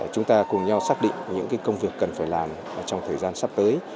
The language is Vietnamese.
chúng ta cùng nhau xác định những công việc cần phải làm trong thời gian sắp tới